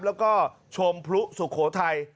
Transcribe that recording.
แล้วก็ชมพลุสุโขทัย